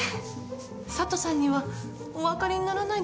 佐都さんにはお分かりにならないですよね。